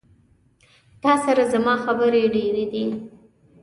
تا سره زما خبري ډيري دي